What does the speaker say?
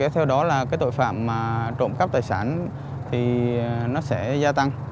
theo đó là cái tội phạm trộm cắp tài sản thì nó sẽ gia tăng